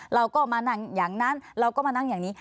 เราก็มานั่งอย่างนั้นเราก็มานั่งอย่างนี้